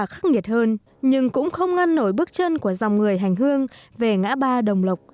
thiệt hơn nhưng cũng không ngăn nổi bước chân của dòng người hành hương về ngã ba đồng lộc